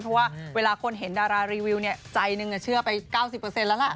เพราะว่าเวลาคนเห็นดารารีวิวใจหนึ่งเชื่อไป๙๐แล้วล่ะ